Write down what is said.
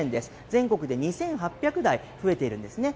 全国で２８００台、増えているんですね。